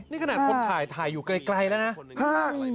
นี่ขนาดคนถ่ายถ่ายอยู่ไกลแล้วนะ